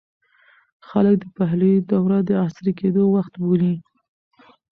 خلک د پهلوي دوره د عصري کېدو وخت بولي.